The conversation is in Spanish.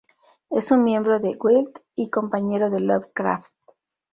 Es un miembro de Guild y compañero de Lovecraft.